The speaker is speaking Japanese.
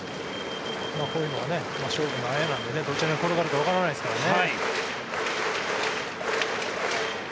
こういうのが勝負のあやなのでどちらに転がるかわからないですけどね。